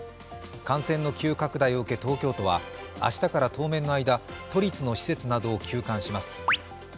感染の急拡大を受け、東京都は明日から当面の間都立の施設などを休館します。